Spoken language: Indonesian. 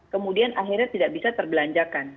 kemudian akhirnya tidak bisa terbelanjakan